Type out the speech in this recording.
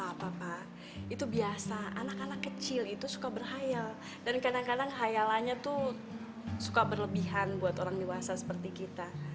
apa apa itu biasa anak anak kecil itu suka berhayal dan kadang kadang khayalannya tuh suka berlebihan buat orang dewasa seperti kita